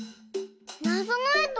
なぞのえと